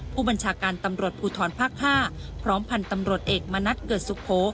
ผู้บัญชาการตำรวจภูทรภาค๕พร้อมพันธ์ตำรวจเอกมณัฐเกิดสุโข